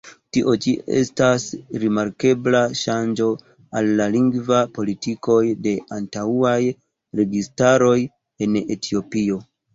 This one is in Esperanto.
Tio ĉi estas rimarkebla ŝanĝo al la lingvaj politikoj de antaŭaj registaroj en Etiopio.